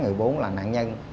người bốn là nạn nhân